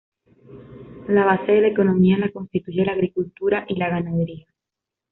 La base de la economía la constituye la agricultura y la ganadería.